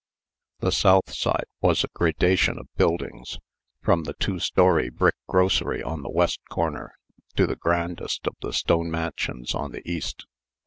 The south side was a gradation of buildings, from the two story brick grocery on the west corner to the grandest of the stone mansions on the east.